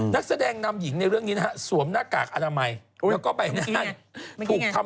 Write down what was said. เท่าไหร่เท่าไหร่ฮะ